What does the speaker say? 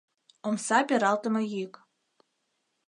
Омса пералтыме йӱк.